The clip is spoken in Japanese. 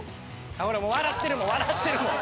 ほらもう笑ってるもん笑ってるもん。